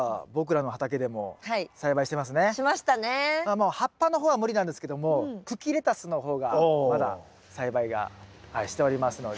もう葉っぱの方は無理なんですけども茎レタスの方がまだ栽培がしておりますので。